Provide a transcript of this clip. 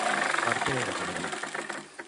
Per què era conegut?